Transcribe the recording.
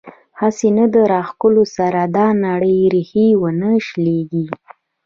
او هسې نه د راښکلو سره دا نرۍ ريښې ونۀ شليږي